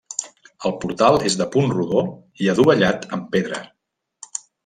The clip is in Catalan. El portal és de punt rodó i adovellat amb pedra.